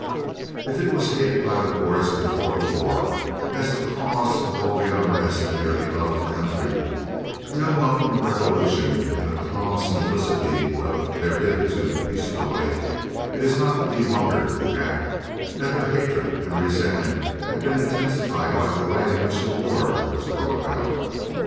If it was hated by the Boers before the war as the cause of all the unrest in their beloved country, the unwelcome revolution in the calm simplicity of their hitherto peaceful life, it is not to be wondered at that their hatred and resentment had been intensified by the way in which the war was brought about.